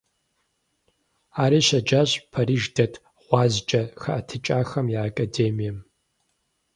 Ари щеджащ Париж дэт гъуазджэ хэӀэтыкӀахэм я Академием.